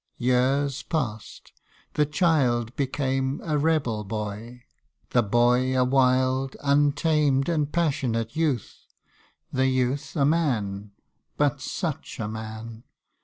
Years past : the child became a rebel boy ; The boy a wild, untamed, and passionate youth ; The youth a man but such a man